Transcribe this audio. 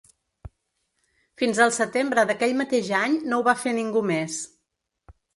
Fins al setembre d’aquell mateix any no ho va fer ningú més.